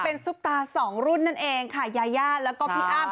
เป็นซุปตาสองรุ่นนั่นเองค่ะยายาแล้วก็พี่อ้ำ